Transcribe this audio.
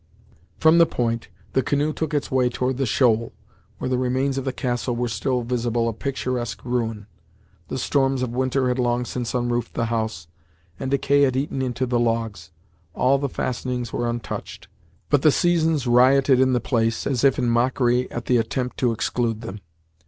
From the point, the canoe took its way toward the shoal, where the remains of the castle were still visible, a picturesque ruin. The storms of winter had long since unroofed the house, and decay had eaten into the logs. All the fastenings were untouched, but the seasons rioted in the place, as if in mockery at the attempt to exclude them.